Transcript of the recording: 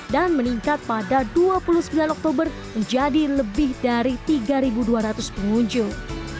dan meningkat pada dua puluh sembilan oktober menjadi lebih dari tiga dua ratus pengunjung